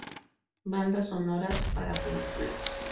Banda sonoras para películas